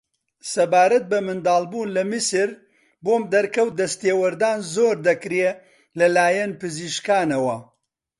سەبارەت بە منداڵبوون لە میسر بۆم دەرکەوت دەستێوەردان زۆر دەکرێ لە لایەن پزیشکانەوە